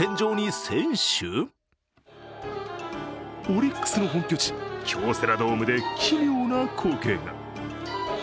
オリックスの本拠たち、京セラドームで奇妙な光景が。